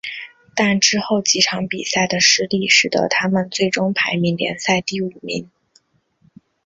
但之后几场比赛的失利使得他们最终排名联赛第五名。